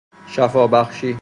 شفا بخشی